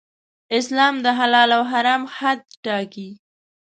اسلام د حلال او حرام حد ټاکي.